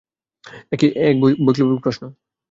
এ এক বৈপ্লবিক প্রশ্ন।